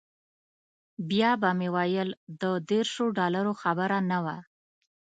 بیا به مې ویل د دیرشو ډالرو خبره نه وه.